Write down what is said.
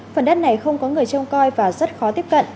phần đất này không có người trông coi và rất khó tiếp cận